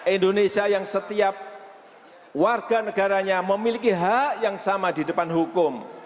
indonesia yang setiap warga negaranya memiliki hak yang sama di depan hukum